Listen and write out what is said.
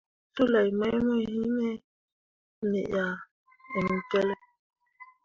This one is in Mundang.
Sulei mai mo yinme, me ah emjolle.